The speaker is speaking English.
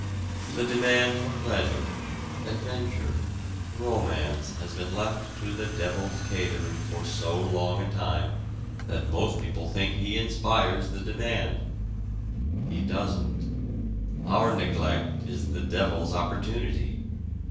The demand for pleasure, adventure, romance has been left to the devil's catering for so long a time that most people think he inspires the demand. He doesn't. Our neglect is the devil's opportunity.